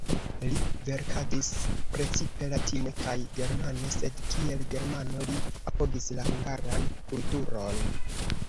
Li verkadis precipe latine kaj germane, sed kiel germano, li apogis la hungaran kulturon.